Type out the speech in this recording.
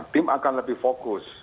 tim akan lebih fokus